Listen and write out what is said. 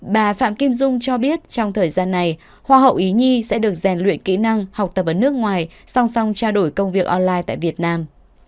bà phạm kim dung cho biết trong thời gian này hoa hậu ý nhi sẽ được rèn luyện kỹ năng học tập ở nước ngoài song song trao đổi công việc online tại việt nam